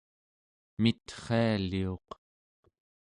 mitrialiuq